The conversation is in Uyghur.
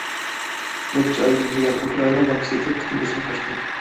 نەچچە ئايدىن بۇيان ئۇكرائىنا بانكىسى كۆپ قېتىم ئۆسۈم قوشتى.